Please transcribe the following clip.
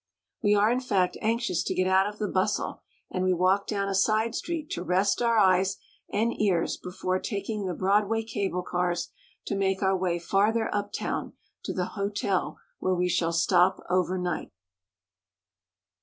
We are, in fact, anxious to get out of the bustle, and we walk down a side street to rest our eyes and ears before taking the Broadway cable cars to make our way farther uptown to the hotel where we shall stop overnight.